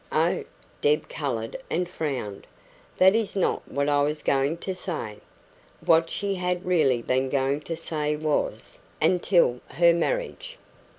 "Oh!" Deb coloured and frowned "that is not what I was going to say." (What she had really been going to say was "until her marriage.")